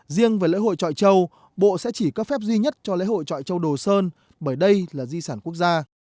riêng về lễ hội trọi châu bộ sẽ chỉ cấp phép duy nhất cho lễ hội trọi châu đồ sơn bởi đây là di sản quốc gia